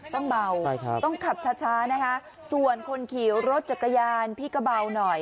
ต้องเบาต้องขับช้านะคะส่วนคนขี่รถจักรยานพี่ก็เบาหน่อย